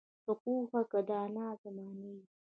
که په پوهه کې دانا د زمانې وي